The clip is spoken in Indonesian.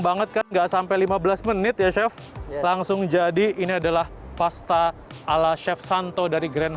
banget kan enggak sampai lima belas menit ya chef langsung jadi ini adalah pasta ala chef santo dari grand